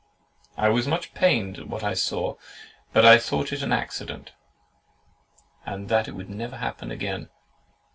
I was much pained at what I saw; but I thought it an accident, and that it would never happen again."